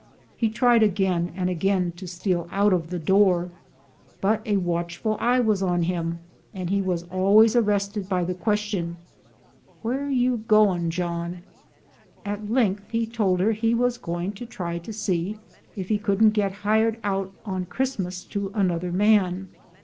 He tried again and again to steal out of the door, but a watchful eye was on him, and he was always arrested by the question, " Where you gwine, John ?" At length he told her he was going to try to see if he couldn't get hired out on Christmas to another man.